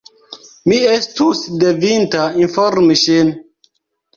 Mi estus devinta informi ŝin.